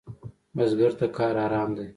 بزګر ته کار آرام دی